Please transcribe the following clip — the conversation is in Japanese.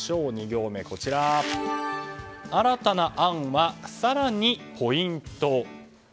２行目新たな案は更にポイント。